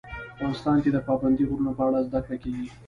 افغانستان کې د پابندي غرونو په اړه زده کړه کېږي.